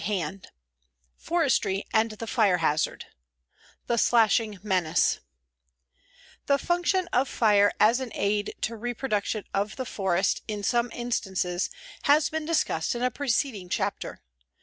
CHAPTER IV FORESTRY AND THE FIRE HAZARD THE SLASHING MENACE The function of fire as an aid to reproduction of the forest in some instances has been discussed in a preceding chapter.